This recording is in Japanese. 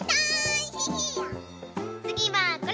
つぎはこれ！